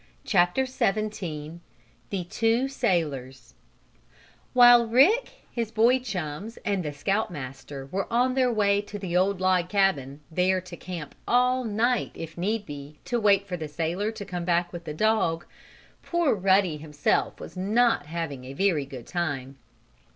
CHAPTER XVII THE TWO SAILORS While Rick, his boy chums and the Scout Master were on their way to the old log cabin, there to camp all night, if need be, to wait for the sailor to come back with the dog, poor Ruddy himself was not having a very good time.